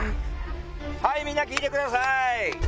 はいみんな聞いてください。